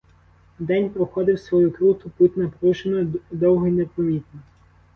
День проходив свою круту путь напружено, довго й непомітно.